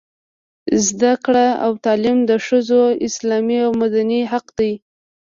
زده کړه او تعلیم د ښځو اسلامي او مدني حق دی.